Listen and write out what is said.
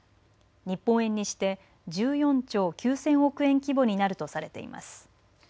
日本円にして１４兆９０００億円規模になるとされています。